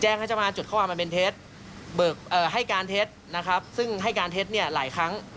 แจ้งให้จับมาจดข้อหามาเป็นเท็จให้การเท็จซึ่งให้การเท็จหลายครั้ง